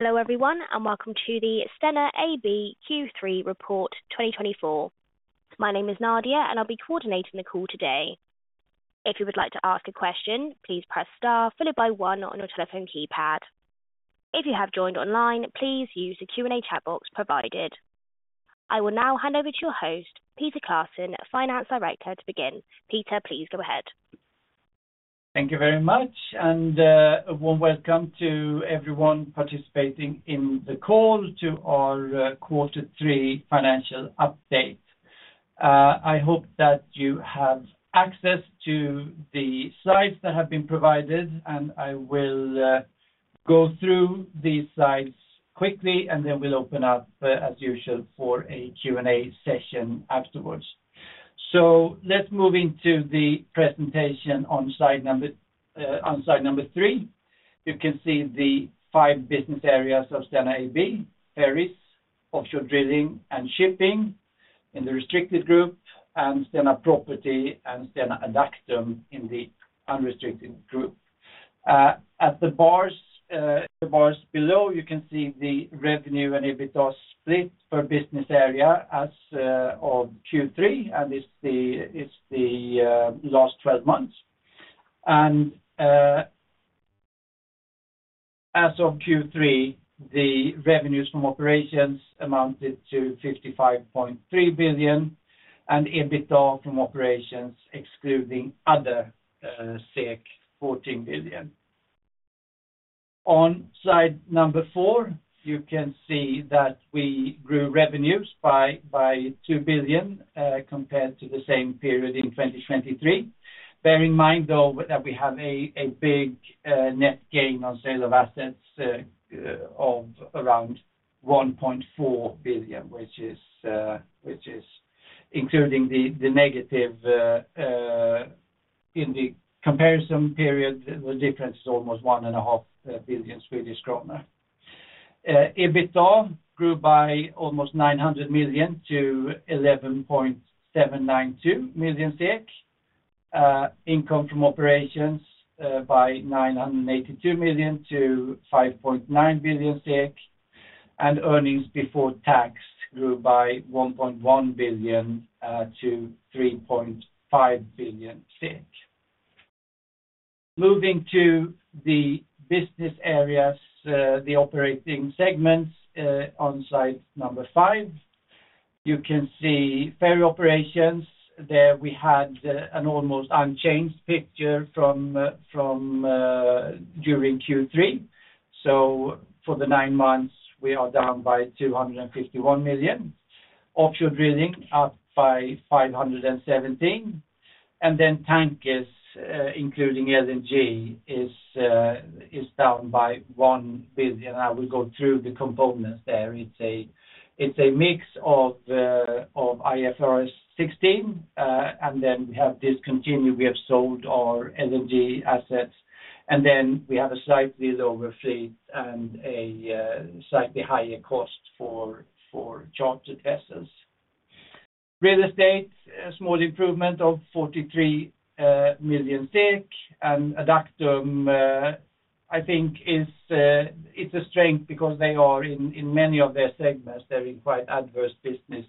Hello everyone, and welcome to the Stena AB Q3 Report 2024. My name is Nadia, and I'll be coordinating the call today. If you would like to ask a question, please press star followed by one on your telephone keypad. If you have joined online, please use the Q&A chat box provided. I will now hand over to your host, Peter Claesson, Finance Director, to begin. Peter, please go ahead. Thank you very much, and a warm welcome to everyone participating in the call to our quarter three financial update. I hope that you have access to the slides that have been provided, and I will go through these slides quickly, and then we'll open up, as usual, for a Q&A session afterwards. So let's move into the presentation on slide number three. You can see the five business areas of Stena AB: Ferry, Offshore Drilling and Shipping in the restricted group, and Stena Property and Stena Adactum in the unrestricted group. At the bars below, you can see the revenue and EBITDA split per business area as of Q3, and it's the last 12 months, and as of Q3, the revenues from operations amounted to 55.3 billion, and EBITDA from operations, excluding other, said 14 billion. On slide number four, you can see that we grew revenues by 2 billion compared to the same period in 2023. Bear in mind, though, that we have a big net gain on sale of assets of around 1.4 billion, which is including the negative in the comparison period. The difference is almost 1.5 billion Swedish kronor. EBITDA grew by almost 900 million to 11.792 million SEK, income from operations by 982 million to 5.9 billion SEK, and earnings before tax grew by 1.1 billion to 3.5 billion. Moving to the business areas, the operating segments on slide number five, you can see ferry operations. There we had an almost unchanged picture from during Q3. So for the nine months, we are down by 251 million, offshore drilling up by 517 million, and then tankers, including LNG, is down by 1 billion. I will go through the components there. It's a mix of IFRS 16, and then we have discontinued, we have sold our LNG assets, and then we have a slightly lower fleet and a slightly higher cost for chartered vessels. Real estate, a small improvement of 43 million, and Adactum, I think it's a strength because they are in many of their segments, they're in quite adverse business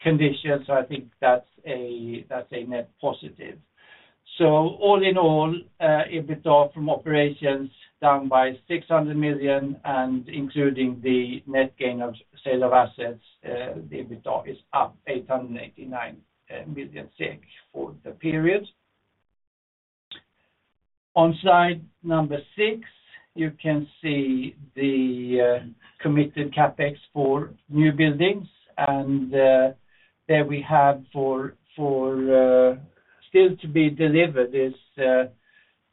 conditions. So I think that's a net positive. So all in all, EBITDA from operations down by 600 million, and including the net gain of sale of assets, the EBITDA is up 889 million SEK for the period. On slide number six, you can see the committed CapEx for new buildings, and there we have for still to be delivered is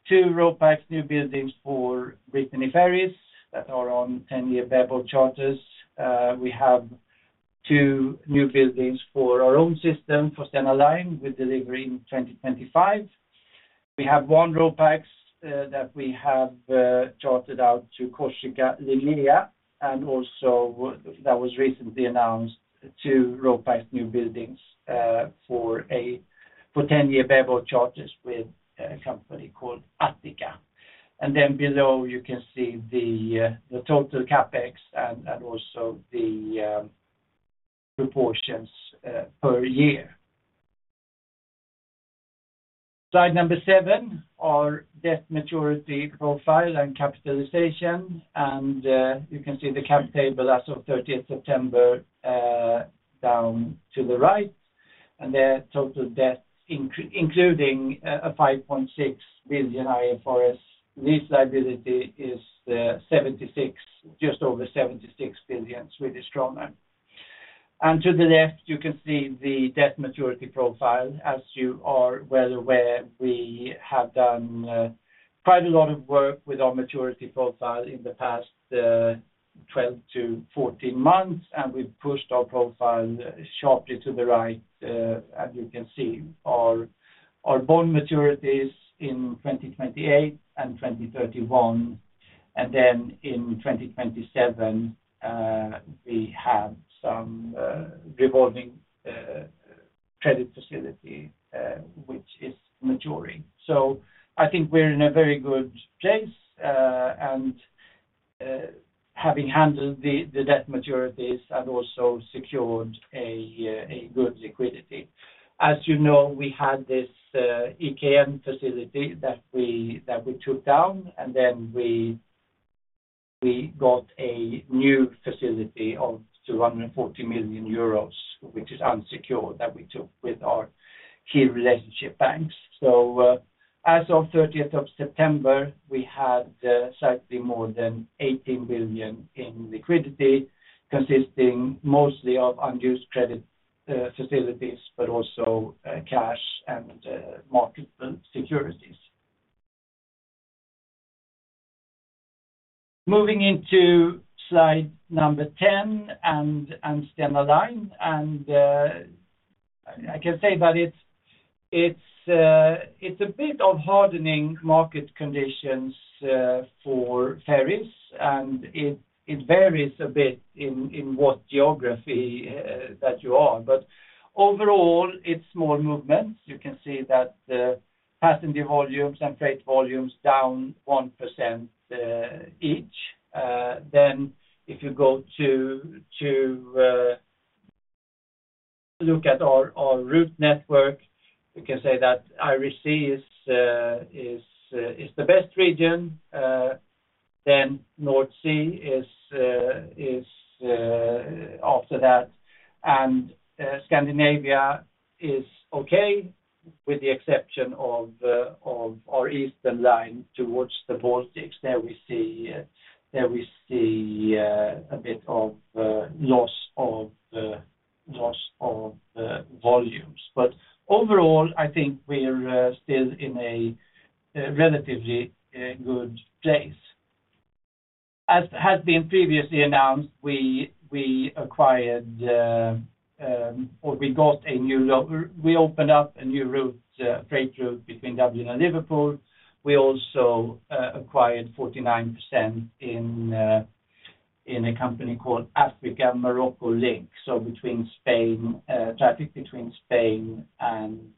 two RoPax new buildings for Brittany Ferries that are on 10-year bareboat charters. We have two new buildings for our own system, for Stena Line, with delivery in 2025. We have one RoPax that we have chartered out to Corsica Linea, and also that was recently announced, two RoPax new buildings for 10-year bareboat charters with a company called Attica. And then below, you can see the total CapEx and also the proportions per year. Slide number 7, our debt maturity profile and capitalization, and you can see the cap table as of 30 September down to the right, and their total debt, including a 5.6 billion IFRS lease liability, is 76 billion, just over 76 billion Swedish kronor. And to the left, you can see the debt maturity profile. As you are well aware, we have done quite a lot of work with our maturity profile in the past 12 to 14 months, and we've pushed our profile sharply to the right, and you can see our bond maturities in 2028 and 2031, and then in 2027, we have some revolving credit facility, which is maturing. So I think we're in a very good place and having handled the debt maturities and also secured a good liquidity. As you know, we had this EKN facility that we took down, and then we got a new facility of 240 million euros, which is unsecured, that we took with our key relationship banks. So as of 30 September, we had slightly more than 18 billion in liquidity, consisting mostly of unused credit facilities, but also cash and market securities. Moving into slide number 10 and Stena Line, and I can say that it's a bit of hardening market conditions for ferries, and it varies a bit in what geography that you are, but overall, it's small movements. You can see that passenger volumes and freight volumes down 1% each. Then if you go to look at our route network, you can say that Irish Sea is the best region, then North Sea is after that, and Scandinavia is okay with the exception of our eastern line towards the Baltics. There we see a bit of loss of volumes, but overall, I think we're still in a relatively good place. As had been previously announced, we acquired, or we got a new, we opened up a new freight route between Dublin and Liverpool. We also acquired 49% in a company called Africa Morocco Link, so, traffic between Spain and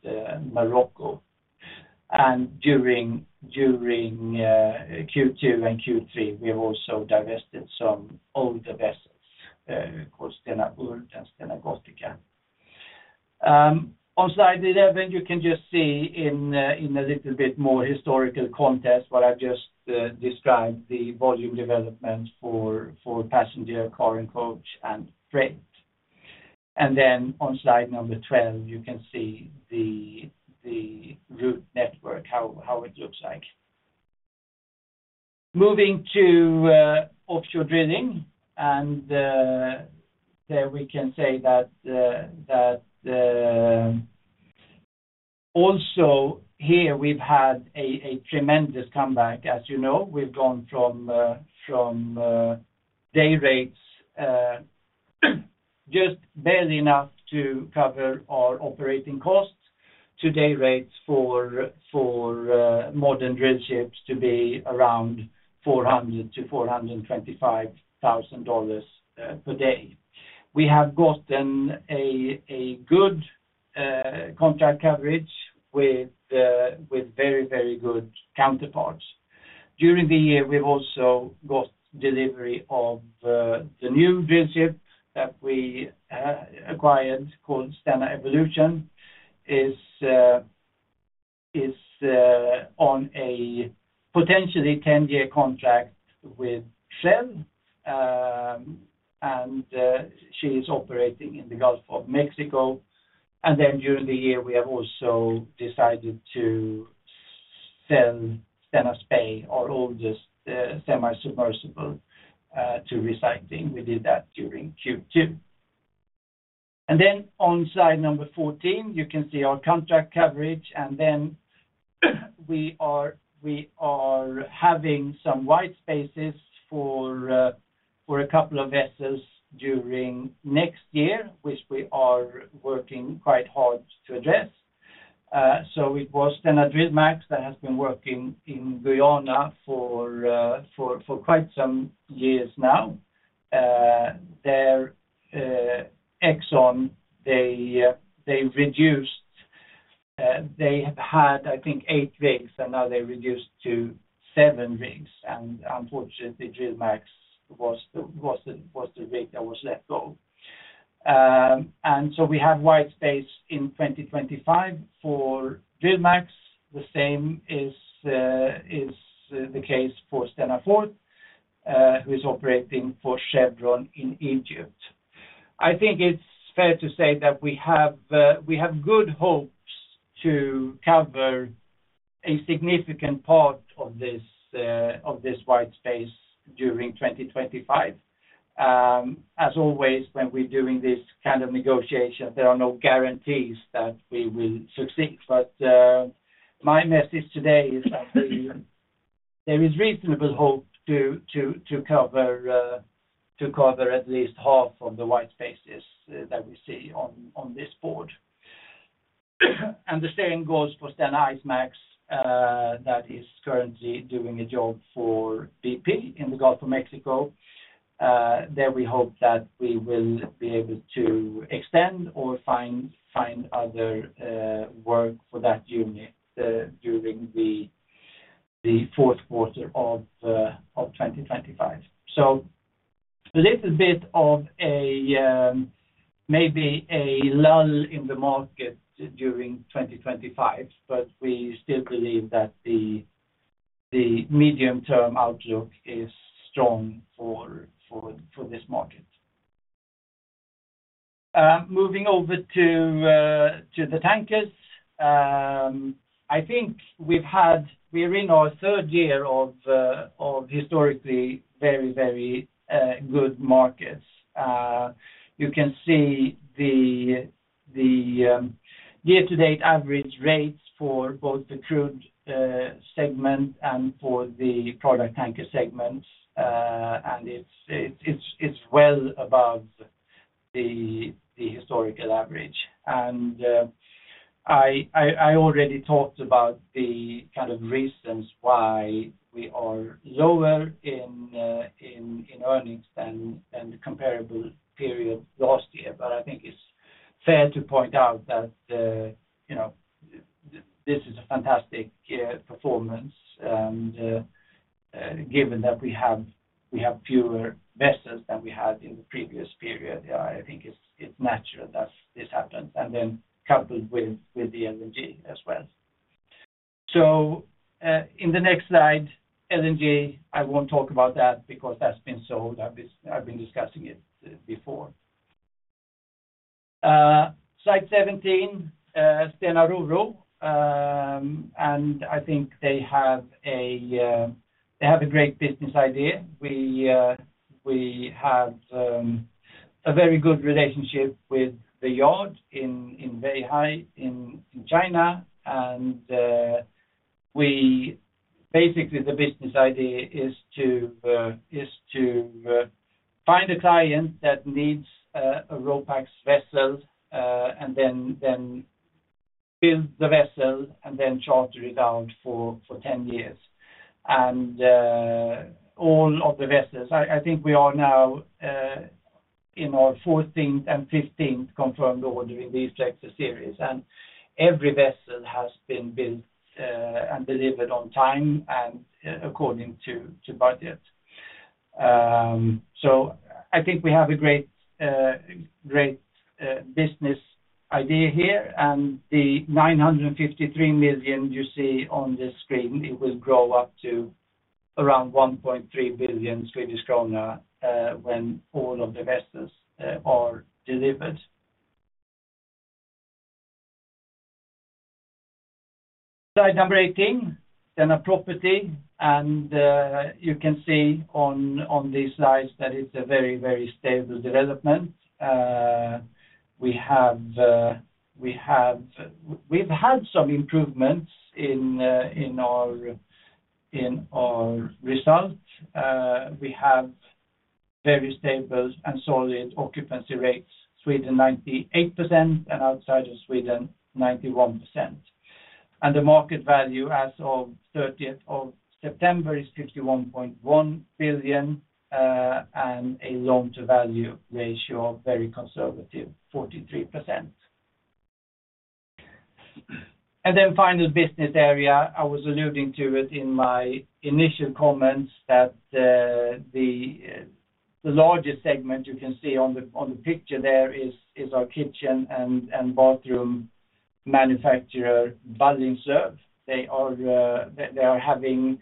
Morocco. And during Q2 and Q3, we have also divested some older vessels called Stena Urd and Stena Gothica. On slide 11, you can just see in a little bit more historical context what I've just described, the volume development for passenger, car, and coach, and freight. And then on slide number 12, you can see the route network, how it looks like. Moving to offshore drilling, and there we can say that also here we've had a tremendous comeback. As you know, we've gone from day rates just barely enough to cover our operating costs to day rates for modern drill ships to be around $400,000-$425,000 per day. We have gotten a good contract coverage with very, very good counterparts. During the year, we've also got delivery of the new drill ship that we acquired called Stena Evolution, is on a potentially 10-year contract with Shell, and she is operating in the Gulf of Mexico. And then during the year, we have also decided to sell Stena Spey, our oldest semi-submersible, to recycling. We did that during Q2. And then on slide number 14, you can see our contract coverage, and then we are having some white spaces for a couple of vessels during next year, which we are working quite hard to address. So it was Stena DrillMAX that has been working in Guyana for quite some years now. Exxon, they reduced, they had, I think, eight rigs, and now they reduced to seven rigs, and unfortunately, DrillMAX was the rig that was let go. And so we have white space in 2025 for DrillMAX. The same is the case for Stena Forth, who is operating for Chevron in Egypt. I think it's fair to say that we have good hopes to cover a significant part of this white space during 2025. As always, when we're doing this kind of negotiation, there are no guarantees that we will succeed, but my message today is that there is reasonable hope to cover at least half of the white spaces that we see on this board. And the same goes for Stena IceMAX, that is currently doing a job for BP in the Gulf of Mexico. There we hope that we will be able to extend or find other work for that unit during the fourth quarter of 2025. So this is a bit of maybe a lull in the market during 2025, but we still believe that the medium-term outlook is strong for this market. Moving over to the tankers, I think we're in our third year of historically very, very good markets. You can see the year-to-date average rates for both the crude segment and for the product tanker segments, and it's well above the historical average. And I already talked about the kind of reasons why we are lower in earnings than the comparable period last year, but I think it's fair to point out that this is a fantastic performance, and given that we have fewer vessels than we had in the previous period, I think it's natural that this happens, and then coupled with the LNG as well. So in the next slide, LNG, I won't talk about that because that's been sold. I've been discussing it before. Slide 17, Stena RoRo, and I think they have a great business idea. We have a very good relationship with the yard in Weihai in China, and basically the business idea is to find a client that needs a RoPax vessel and then build the vessel and then charter it out for 10 years. All of the vessels, I think we are now in our 14th and 15th confirmed order in the E-Flexer series, and every vessel has been built and delivered on time and according to budget. I think we have a great business idea here, and the 953 million you see on the screen, it will grow up to around 1.3 billion Swedish kronor when all of the vessels are delivered. Slide number 18, Stena Property, and you can see on these slides that it's a very, very stable development. We've had some improvements in our result. We have very stable and solid occupancy rates, Sweden 98% and outside of Sweden 91%, and the market value as of 30 September is 51.1 billion and a loan-to-value ratio of very conservative 43%. And then final business area, I was alluding to it in my initial comments that the largest segment you can see on the picture there is our kitchen and bathroom manufacturer, Ballingslöv. They are having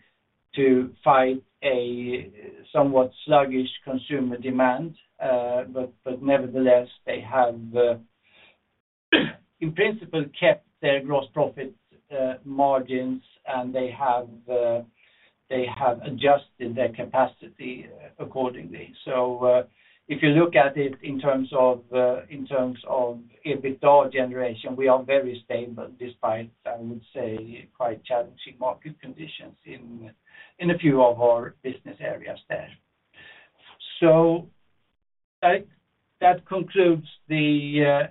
to fight a somewhat sluggish consumer demand, but nevertheless, they have in principle kept their gross profit margins, and they have adjusted their capacity accordingly. So if you look at it in terms of EBITDA generation, we are very stable despite, I would say, quite challenging market conditions in a few of our business areas there. So that concludes the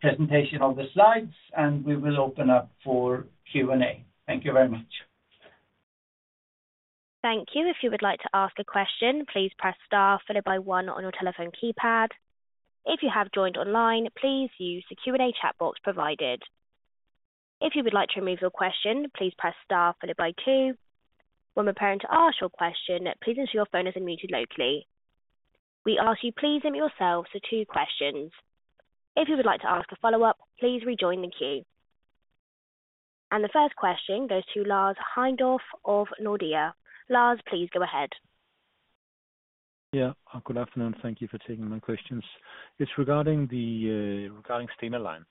presentation of the slides, and we will open up for Q&A. Thank you very much. Thank you. If you would like to ask a question, please press star followed by one on your telephone keypad. If you have joined online, please use the Q&A chat box provided. If you would like to remove your question, please press star followed by two. When preparing to ask your question, please ensure your phone is unmuted locally. We ask you please limit yourself to two questions. If you would like to ask a follow-up, please rejoin the queue. And the first question goes to Lars Heindorff of Nordea. Lars, please go ahead. Yeah, good afternoon. Thank you for taking my questions. It's regarding Stena Line.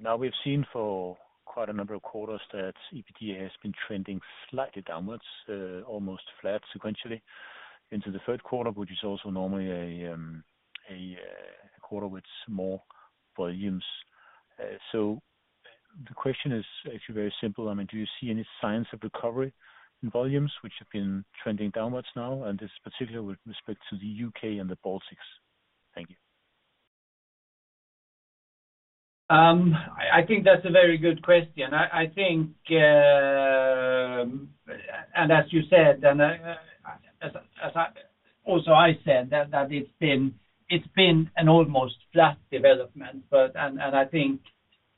Now, we've seen for quite a number of quarters that EBITDA has been trending slightly downwards, almost flat sequentially into the third quarter, which is also normally a quarter with more volumes. So the question is actually very simple. I mean, do you see any signs of recovery in volumes which have been trending downwards now, and this is particularly with respect to the U.K. and the Baltics. Thank you. I think that's a very good question. I think, and as you said, and as also I said, that it's been an almost flat development, and I think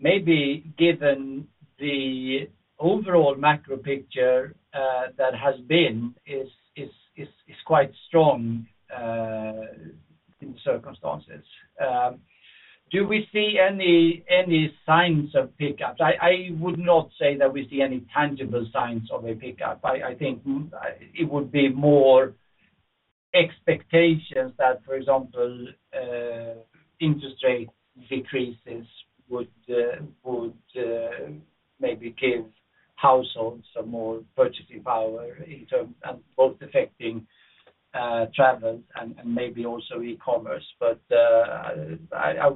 maybe given the overall macro picture that has been, is quite strong in circumstances. Do we see any signs of pickup? I would not say that we see any tangible signs of a pickup. I think it would be more expectations that, for example, interest rate decreases would maybe give households some more purchasing power in terms of both affecting travel and maybe also e-commerce, but I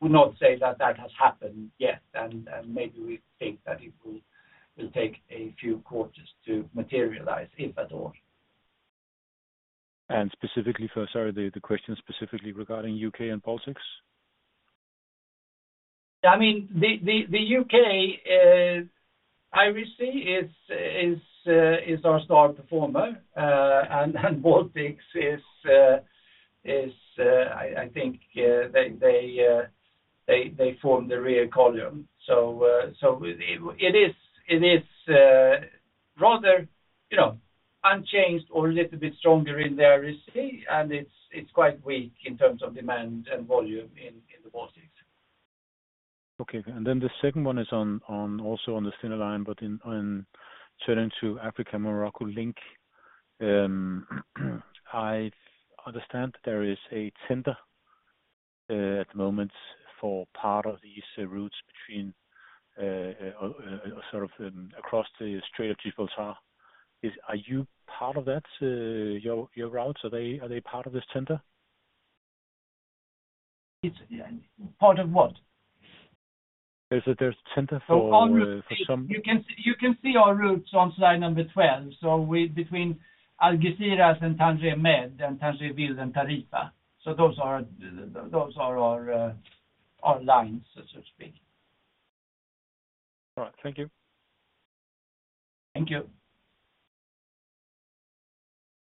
would not say that that has happened yet, and maybe we think that it will take a few quarters to materialize, if at all. Specifically for, sorry, the question specifically regarding the U.K. and Baltics? I mean, the U.K., I believe, is our star performer, and Baltics is, I think, they form the rear column. It is rather unchanged or a little bit stronger in their receipts, and it's quite weak in terms of demand and volume in the Baltics. Okay. Then the second one is also on Stena Line, but turning to Africa Morocco Link, I understand there is a tender at the moment for part of these routes between sort of across the Strait of Gibraltar. Are you part of that, your routes? Are they part of this tender? Part of what? There's a tender for some. You can see our routes on slide number 12, so between Algeciras and Tanger Med and Tangier Ville and Tarifa. Those are our lines, so to speak. All right. Thank you. Thank you.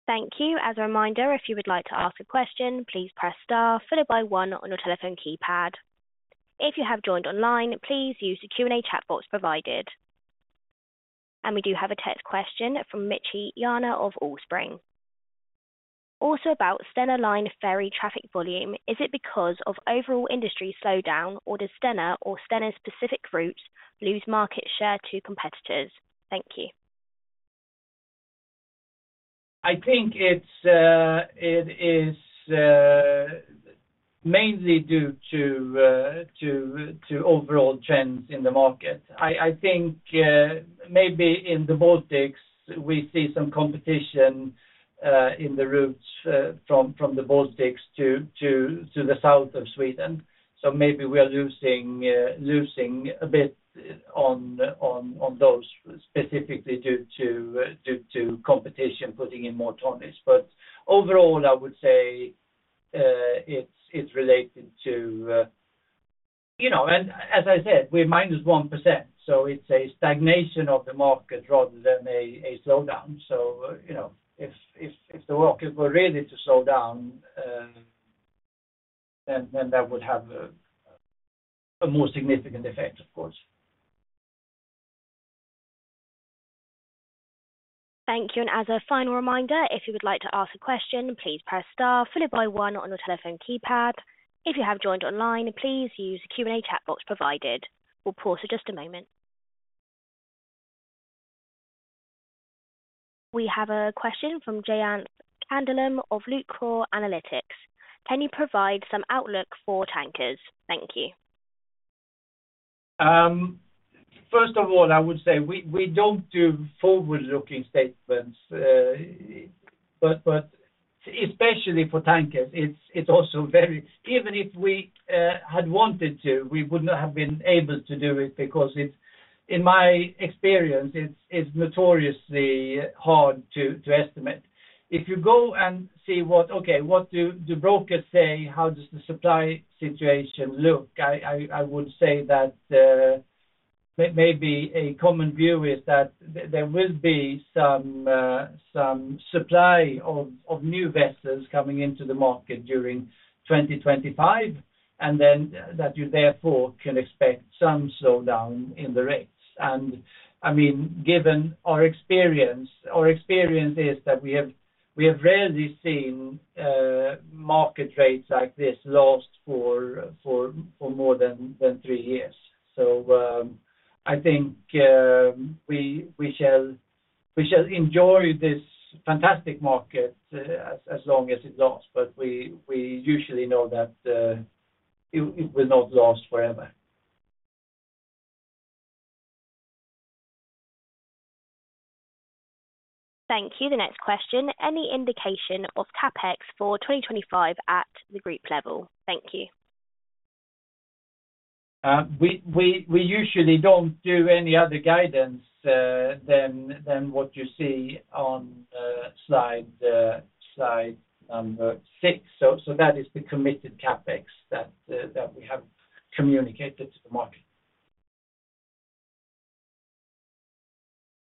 Thank you. As a reminder, if you would like to ask a question, please press star followed by one on your telephone keypad. If you have joined online, please use the Q&A chat box provided. And we do have a text question from Michie Yana of Ostrum Asset Management. Also about Stena Line ferry traffic volume, is it because of overall industry slowdown, or does Stena or Stena-specific routes lose market share to competitors? Thank you. I think it is mainly due to overall trends in the market. I think maybe in the Baltics, we see some competition in the routes from the Baltics to the south of Sweden. So maybe we are losing a bit on those, specifically due to competition putting in more tonnage. But overall, I would say it's related to, and as I said, we're minus 1%. So it's a stagnation of the market rather than a slowdown. So if the market were really to slow down, then that would have a more significant effect, of course. Thank you. And as a final reminder, if you would like to ask a question, please press star followed by one on your telephone keypad. If you have joined online, please use the Q&A chat box provided. We'll pause for just a moment. We have a question from Jayant Kandalam of Lucror Analytics. Can you provide some outlook for tankers? Thank you. First of all, I would say we don't do forward-looking statements, but especially for tankers, it's also very even if we had wanted to, we would not have been able to do it because in my experience, it's notoriously hard to estimate. If you go and see what brokers say? How does the supply situation look? I would say that maybe a common view is that there will be some supply of new vessels coming into the market during 2025, and then that you therefore can expect some slowdown in the rates, and I mean, given our experience, our experience is that we have rarely seen market rates like this last for more than three years, so I think we shall enjoy this fantastic market as long as it lasts, but we usually know that it will not last forever. Thank you. The next question. Any indication of CapEx for 2025 at the group level? Thank you. We usually don't do any other guidance than what you see on slide number six, so that is the committed CapEx that we have communicated to the market.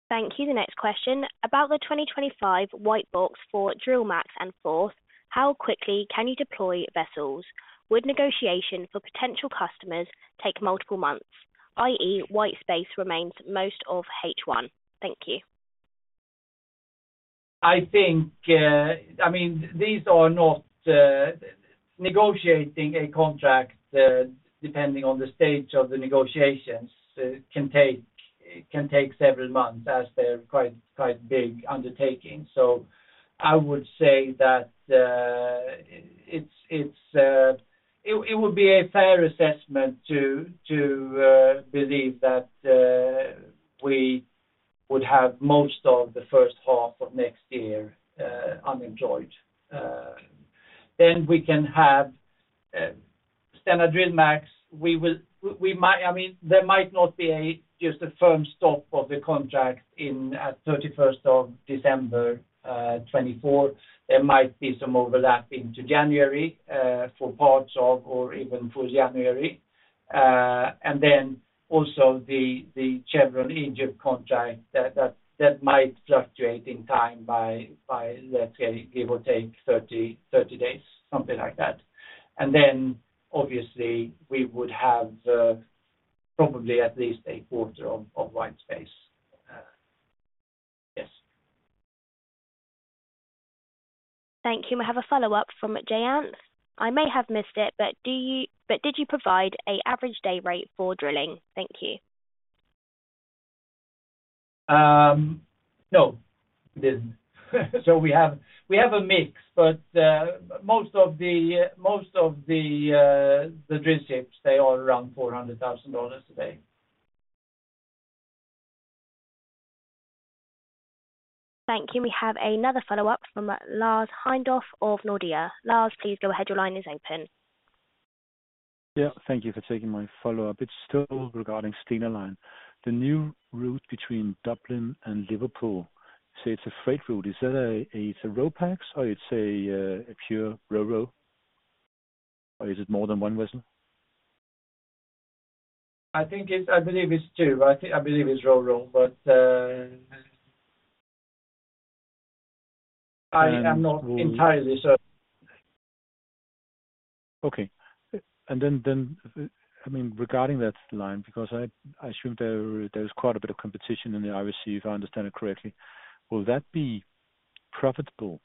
Thank you. The next question. About the 2025 white space for Stena DrillMAX andAbout Stena Forth, how quickly can you deploy vessels? Would negotiation for potential customers take multiple months, i.e., white space remains most of H1? Thank you. I mean, these are not negotiating a contract depending on the stage of the negotiations can take several months as they're quite big undertaking. So I would say that it would be a fair assessment to believe that we would have most of the first half of next year unemployed. Then we can have Stena DrillMAX, we might, I mean, there might not be just a firm stop of the contract at 31st of December 2024. There might be some overlapping to January for parts of or even for January. And then also the Chevron Egypt contract that might fluctuate in time by, let's say, give or take 30 days, something like that. And then obviously, we would have probably at least a quarter of white space. Yes. Thank you. We have a follow-up from Jayant. I may have missed it, but did you provide an average day rate for drilling? Thank you. No. So we have a mix, but most of the drill ships, they are around $400,000 a day. Thank you. We have another follow-up from Lars Heindorff of Nordea. Lars, please go ahead. Your line is open. Yeah. Thank you for taking my follow-up. It's still regarding Stena Line. The new route between Dublin and Liverpool, so it's a freight route. Is that a RoPax or it's a pure RoRo? Or is it more than one vessel? I believe it's two. I believe it's RoRo, but I am not entirely. Okay. And then, I mean, regarding that line, because I assume there's quite a bit of competition in the Irish Sea, if I understand it correctly, will that be profitable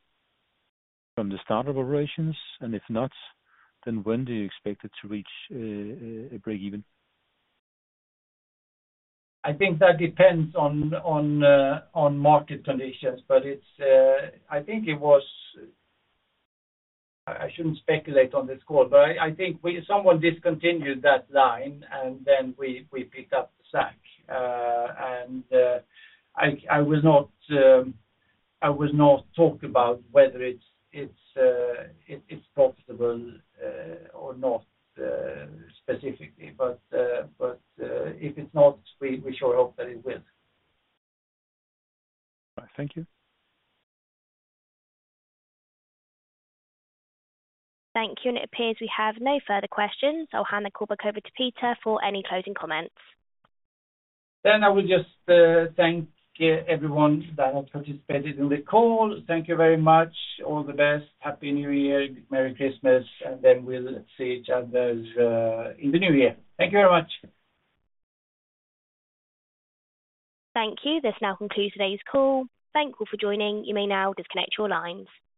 from the start of operations? And if not, then when do you expect it to reach a break-even? I think that depends on market conditions, but I think it was I shouldn't speculate on this call, but I think someone discontinued that line, and then we picked up the slack. And I will not talk about whether it's profitable or not specifically, but if it's not, we sure hope that it will. All right. Thank you. Thank you. And it appears we have no further questions. I'll hand the call back over to Peter for any closing comments. Then I would just thank everyone that has participated in the call. Thank you very much. All the best. Happy New Year. Merry Christmas. And then we'll see each other in the new year. Thank you very much. Thank you. This now concludes today's call. Thank you for joining. You may now disconnect your lines.